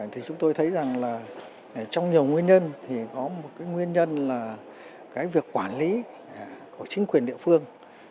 thì chúng tôi thấy rằng là trong nhiều nguyên nhân thì có một cái nguyên nhân là cái việc quản lý của chính quyền địa phương